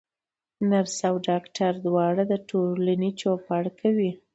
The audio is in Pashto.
نرس او ډاکټر دواړه د ټولني چوپړ کوي.